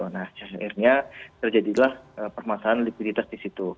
nah akhirnya terjadilah permasalahan likuiditas disitu